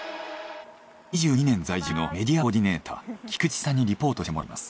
２２年在住のメディアコーディネーター菊地さんにリポートしてもらいます。